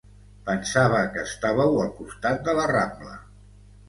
Pensava que estàveu al costat de la Rambla.